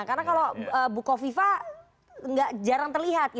karena kalau buko viva jarang terlihat